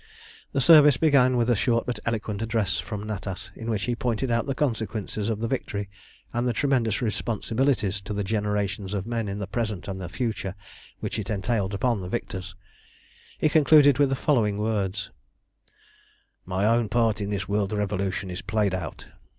The service began with a short but eloquent address from Natas, in which he pointed out the consequences of the victory and the tremendous responsibilities to the generations of men in the present and the future which it entailed upon the victors. He concluded with the following words "My own part in this world revolution is played out.